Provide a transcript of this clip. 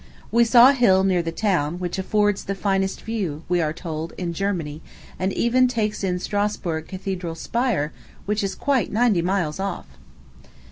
We saw a hill, near the town, which affords the finest view, we are told, in Germany, and even takes in Strasburg Cathedral spire, which is quite ninety miles off!